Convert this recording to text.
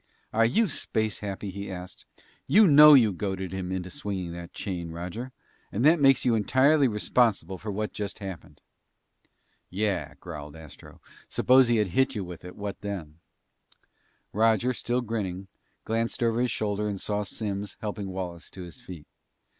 "Are you space happy?" he asked, "You know you goaded him into swinging that chain, Roger. And that makes you entirely responsible for what just happened!" "Yeah," growled Astro. "Suppose he had hit you with it, then what?" Roger, still grinning, glanced over his shoulder and saw Simms helping Wallace to his feet.